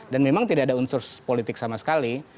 dan memang tidak ada unsur politik sama sekali